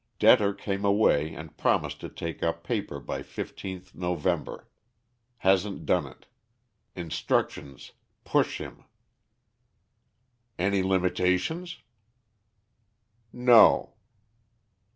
Debtor came away, and promised to take up paper by fifteenth November. Hasn't done it. Instructions 'push him.'" "Any limitations?" "No."